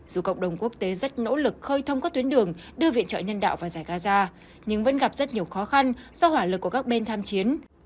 dù cộng đồng quốc tế rất nỗ lực khơi thông các tuyến đường đưa viện trợ nhân đạo vào giải gaza nhưng vẫn gặp rất nhiều khó khăn do hỏa lực của các bên tham chiến